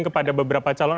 kepada beberapa calon